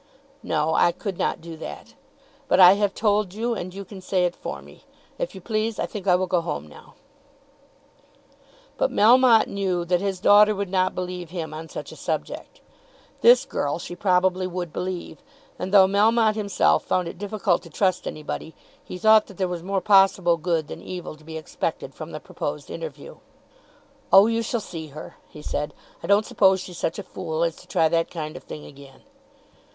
"No; I could not do that. But I have told you, and you can say it for me. If you please, I think I will go home now." But Melmotte knew that his daughter would not believe him on such a subject. This girl she probably would believe. And though Melmotte himself found it difficult to trust anybody, he thought that there was more possible good than evil to be expected from the proposed interview. "Oh, you shall see her," he said. "I don't suppose she's such a fool as to try that kind of thing again."